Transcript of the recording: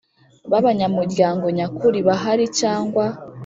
By abanyamuryango nyakuri bahari cyangwa